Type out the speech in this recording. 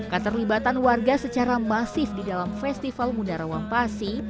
keterlibatan warga secara masif di dalam festival munarawang pasi